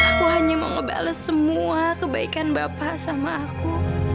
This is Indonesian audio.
aku hanya mau ngebales semua kebaikan bapak sama aku